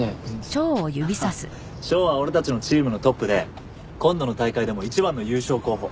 翔は俺たちのチームのトップで今度の大会でも一番の優勝候補。